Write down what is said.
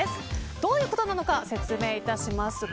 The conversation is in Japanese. どういうことなのか説明いたします。